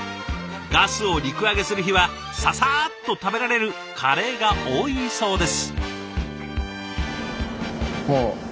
ガスを陸揚げする日はささっと食べられるカレーが多いそうです。